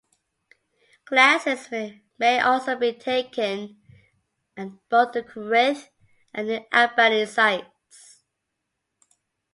Classes may also be taken at both the Corinth and New Albany sites.